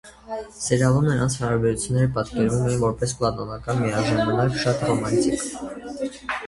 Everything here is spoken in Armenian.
Սերիալում նրանց հարաբերությունները պատկերվում են որպես պլատոնական, միաժամանակ շատ ռոմանտիկ։